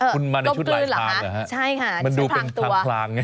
คุณมาในชุดไหล่คลางเหรอฮะใช่ค่ะชุดพรางตัวมันดูเป็นทางคลางไง